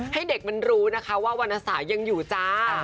ให้เด็กมันรู้นะคะว่าวันอาสายังอยู่จ้า